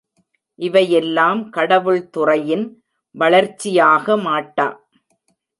இவையெல்லாம் கடவுள் துறையின் வளர்ச்சியாக மாட்டா.